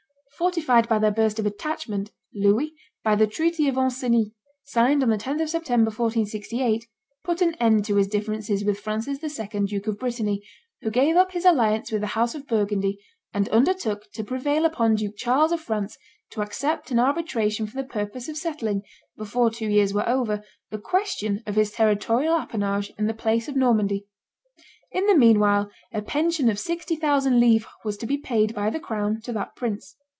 Fortified by their burst of attachment, Louis, by the treaty of Ancenis, signed on the 10th of September, 1468, put an end to his differences with Francis II., Duke of Brittany, who gave up his alliance with the house of Burgundy, and undertook to prevail upon Duke Charles of France to accept an arbitration for the purpose of settling, before two years were over, the question of his territorial appanage in the place of Normandy. In the meanwhile a pension of sixty thousand livres was to be paid by the crown to that prince.